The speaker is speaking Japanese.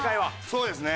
そうですね。